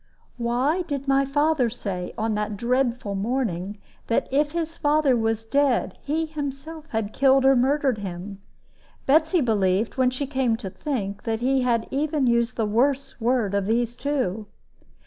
Why did my father say, on that dreadful morning, that if his father was dead, he himself had killed or murdered him? Betsy believed, when she came to think, that he had even used the worse word of these two.